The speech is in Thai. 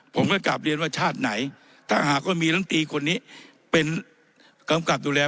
ผมก็กลับเรียนว่าชาติไหนถ้าหากว่ามีลำตีคนนี้เป็นกำกับดูแล